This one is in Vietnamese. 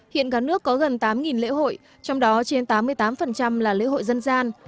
hiện cả nước có gần tám lễ hội trong đó trên tám mươi tám là lễ hội dân gian